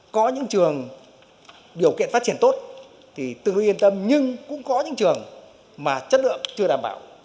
có những trường điều kiện phát triển tốt thì tự yên tâm nhưng cũng có những trường mà chất lượng chưa đảm bảo